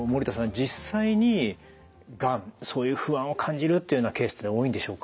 実際にがんそういう不安を感じるというようなケースって多いんでしょうか？